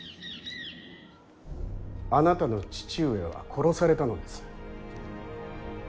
あなたの父上は殺されたのです。